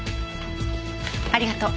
ありがとう。